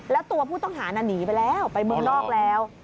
แล้วตัวผู้ต้องหาน่ะหนีไปแล้วไปเมืองนอกแล้ว